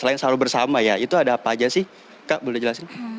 selain sahur bersama ya itu ada apa aja sih kak boleh jelasin